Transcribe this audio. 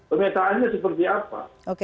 pemetaannya seperti apa